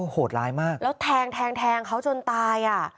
โหดร้ายมากแล้วแทงแทงเขาจนตายอ่ะ